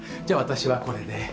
じゃあ私はこれで。